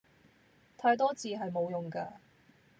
太多字係無用架